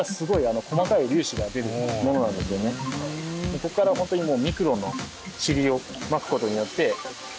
ここからホントにもう。